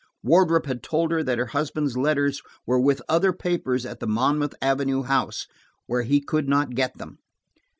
Wardrop had told her that her husband's letters were with other papers at the Monmouth Avenue house, where he could not get them.